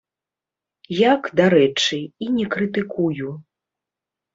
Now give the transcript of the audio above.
Як, дарэчы, і не крытыкую.